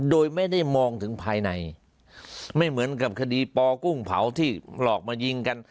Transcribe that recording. โดยไม่ได้มองถึงภายในไม่เหมือนกับคดีปอกุ้งเผาที่หลอกมายิงกัน